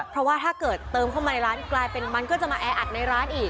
เพราะว่าถ้าเกิดเติมเข้ามาในร้านกลายเป็นมันก็จะมาแออัดในร้านอีก